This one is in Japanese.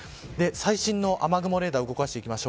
最新の雨雲レーダーを動かしていきます。